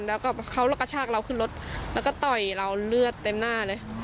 แล้วก็เขากระชากเราขึ้นรถแล้วก็ต่อยเราเลือดเต็มหน้าเลย